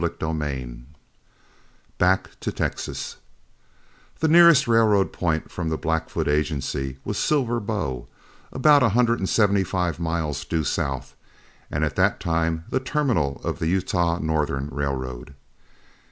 CHAPTER XXIV BACK TO TEXAS The nearest railroad point from the Blackfoot Agency was Silver Bow, about a hundred and seventy five miles due south, and at that time the terminal of the Utah Northern Railroad.